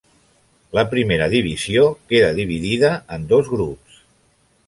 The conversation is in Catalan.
La primera divisió queda dividida en dos grups.